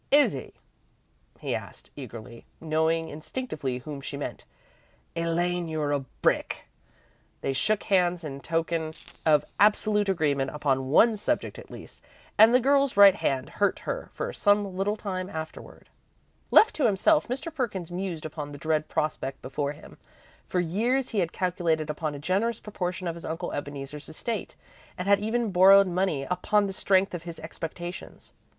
"Is he?" he asked, eagerly, knowing instinctively whom she meant. "Elaine, you're a brick!" They shook hands in token of absolute agreement upon one subject at least, and the girl's right hand hurt her for some little time afterward. Left to himself, Mr. Perkins mused upon the dread prospect before him. For years he had calculated upon a generous proportion of his Uncle Ebeneezer's estate, and had even borrowed money upon the strength of his expectations.